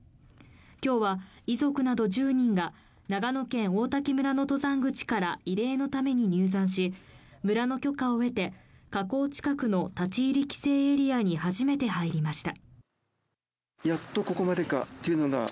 今日は遺族など１０人が長野県王滝村の登山口から慰霊のために入山し、村の許可を得て火口近くの立ち入り規制エリアに初めて入りました。